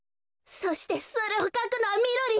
そしてそれをかくのはみろりん！